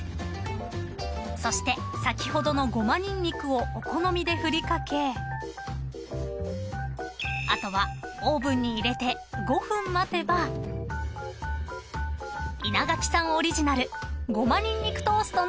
［そして先ほどのごまにんにくをお好みで振り掛けあとはオーブンに入れて５分待てば稲垣さんオリジナルごまにんにくトーストの完成］